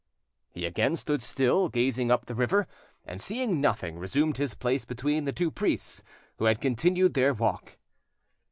He again stood still, gazing up the river, and, seeing nothing, resumed his place between the two priests, who had continued their walk.